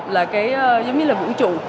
là cái giống như là vũ trụ